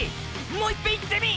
もういっぺん言ってみぃ！